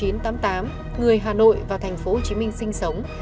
người hà nội và thành phố hồ chí minh sinh sống